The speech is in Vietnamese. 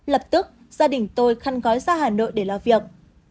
lập tức gia đình tôi khăn gói ra hà nội để làm việc